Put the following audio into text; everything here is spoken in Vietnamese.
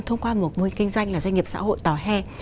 thông qua một môi kinh doanh là doanh nghiệp xã hội tòa hè